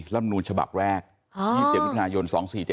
รับมนุชะบักแรก๒๗มิถุนายน๒๔๗๕